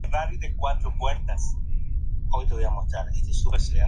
Esta circunstancia de definición "borderline" genera muchos problemas.